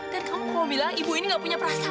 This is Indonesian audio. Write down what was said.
dan kamu mau bilang ibu ini gak punya perasaan